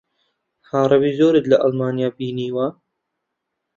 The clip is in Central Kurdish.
عەرەبی زۆرت لە ئەڵمانیا بینیوە؟